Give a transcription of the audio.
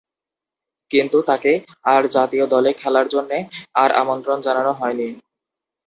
কিন্তু, তাকে আর জাতীয় দলে খেলার জন্যে আর আমন্ত্রণ জানানো হয়নি।